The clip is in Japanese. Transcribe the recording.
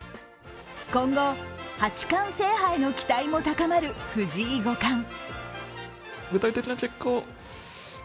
今後、八冠制覇への期待も高まる藤井五冠。